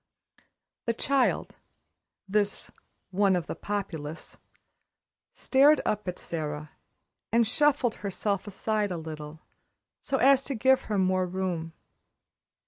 The child this "one of the Populace" stared up at Sara, and shuffled herself aside a little, so as to give her more room.